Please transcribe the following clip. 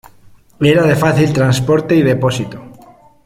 Era de fácil transporte y depósito.